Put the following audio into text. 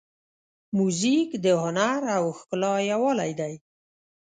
موزیک د هنر او ښکلا یووالی دی.